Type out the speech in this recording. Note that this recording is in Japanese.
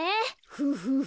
フフフ。